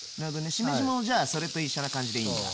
しめじもじゃあそれと一緒な感じでいいんだ？